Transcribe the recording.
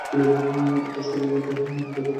ওটা সরিয়ে নিতে পারবে।